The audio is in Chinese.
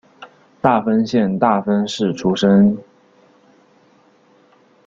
大分县大分市出身。